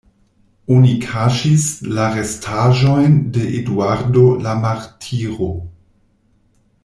Oni kaŝis la restaĵojn de Eduardo la martiro.